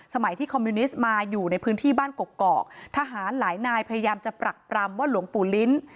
ที่คอมมิวนิสต์มาอยู่ในพื้นที่บ้านกกอกทหารหลายนายพยายามจะปรักปรำว่าหลวงปู่ลิ้น